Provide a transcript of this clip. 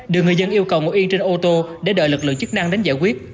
được người dân yêu cầu ngồi yên trên ô tô để đợi lực lượng chức năng đến giải quyết